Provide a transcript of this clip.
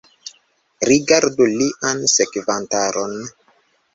Rigardu lian sekvantaron!